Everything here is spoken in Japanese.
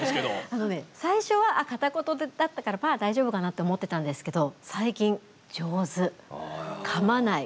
あのね最初は片言だったからまあ大丈夫かなって思ってたんですけど。